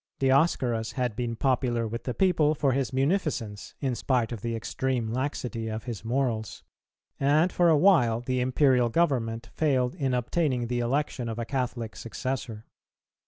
Dioscorus had been popular with the people for his munificence, in spite of the extreme laxity of his morals, and for a while the Imperial Government failed in obtaining the election of a Catholic successor.